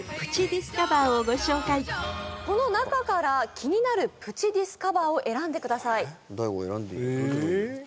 この中から気になるプチディスカバーを選んでください大悟選んでいいよえっ